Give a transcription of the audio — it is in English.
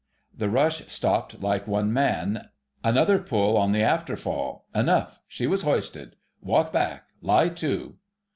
The rush stopped like one man. Another pull on the after fall—enough. She was hoisted. "_Walk back! ... Lie to!